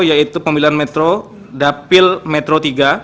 yaitu pemilihan metro dapil metro iii